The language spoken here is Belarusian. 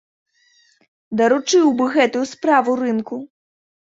Даручыў бы гэтую справу рынку.